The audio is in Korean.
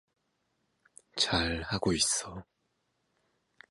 잘하고 있어.